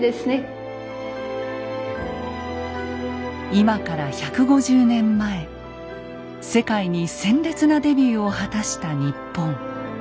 今から１５０年前世界に鮮烈なデビューを果たした日本。